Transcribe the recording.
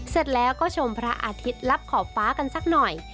เสร็จแล้วก็ชมพระอาทิตย์ลับขอบฟ้ากันสักหน่อย